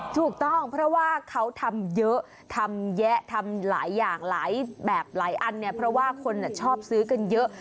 ถูกต้องเพราะว่าเขาทำเยอะทำแยะทำหลายอย่างหลายแบบหลายอันเนี่ยเพราะว่าคนชอบซื้อกันเยอะ